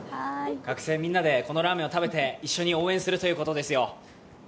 学生みんなで、このラーメンを食べて一緒に応援するということですよ。